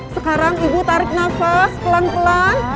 sekarang ibu tarik nafas pelan pelan